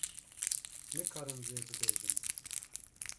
- Nikarim vê bibêjim.